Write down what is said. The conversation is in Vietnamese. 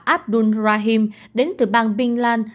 abdul rahim đến từ bang binlan